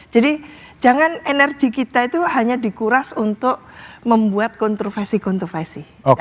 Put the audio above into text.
jadi jangan energi kita itu hanya dikuras untuk membuat kontroversi kontroversi